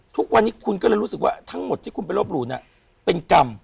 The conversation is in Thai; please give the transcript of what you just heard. ทุกวันนี้คุณก็เลยรู้สึกว่าทั้งหมดที่คุณไปรบหลู่น่ะเป็นกรรม